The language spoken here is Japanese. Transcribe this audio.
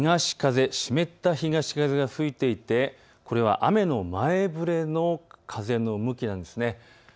湿った東風が吹いていてこれは雨の前触れの風の向きなんです。